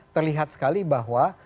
terlihat sekali bahwa